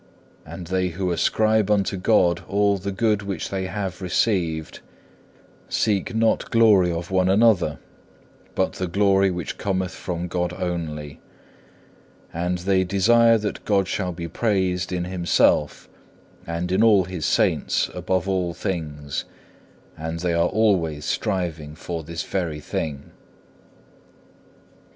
And they who ascribe unto God all the good which they have received, "seek not glory one of another, but the glory which cometh from God only," and they desire that God shall be praised in Himself and in all His Saints above all things, and they are always striving for this very thing.